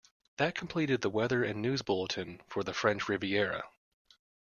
That completed the weather and news bulletin for the French Riviera.